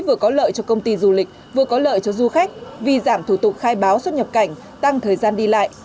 vừa có lợi cho công ty du lịch vừa có lợi cho du khách vì giảm thủ tục khai báo xuất nhập cảnh tăng thời gian đi lại